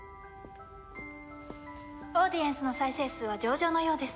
オーディエンスの再生数は上々のようです。